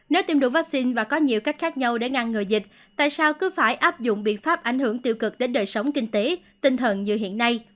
nếu tiêm đủ vaccine và có nhiều cách khác nhau để ngăn ngừa dịch tại sao cứ phải áp dụng biện pháp ảnh hưởng tiêu cực đến đời sống kinh tế tinh thần như hiện nay